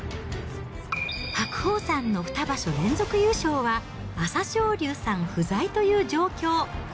白鵬さんの２場所連続優勝は、朝青龍さん不在という状況。